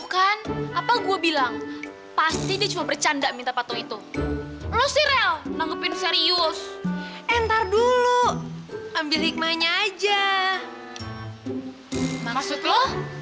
jangan jangan cewek yang lagi itu nyari pak neo lah